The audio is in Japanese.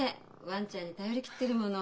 ワンちゃんに頼り切ってるもの。